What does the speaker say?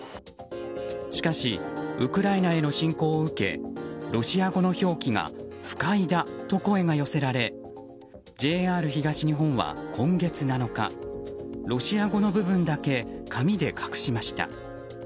しかしウクライナへの侵攻を受けロシア語の表記が不快だとの声が寄せられＪＲ東日本は、今月７日ロシア語の部分だけ紙で隠しました。